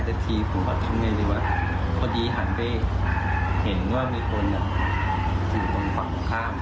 เดี๋ยวทีผมก็ทำยังไงดีวะพอดีหันไปเห็นว่ามีคนถือบนฝั่งข้าม